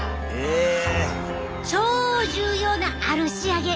超重要な「ある仕上げ」